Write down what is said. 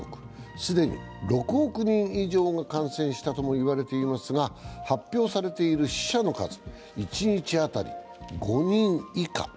既に６億人以上が感染したともいわれていますが、発表されている死者の数一日当たり５人以下。